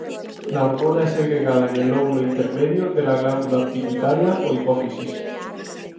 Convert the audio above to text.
La hormona es segregada en el lóbulo intermedio de la glándula pituitaria o hipófisis.